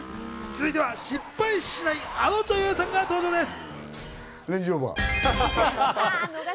続いては失敗しない、あの女優さんが登場です。